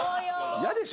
やでしょ